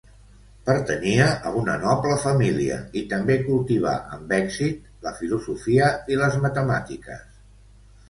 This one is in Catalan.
Pertanyia a una noble família i també cultivà amb èxit la filosofia i les matemàtiques.